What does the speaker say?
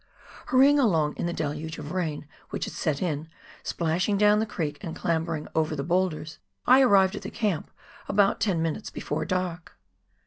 Hurrj'ing along in the deluge of rain which had set in, splashing down the creek and clambering over the boulders, I arrived at the camp about ten minutes before dark.